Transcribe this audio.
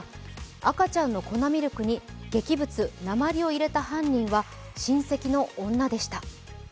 赤ちゃんの粉ミルクに劇物鉛を入れたのは親戚の女でした。